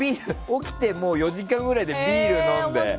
起きてもう４時間ぐらいでビール飲んで。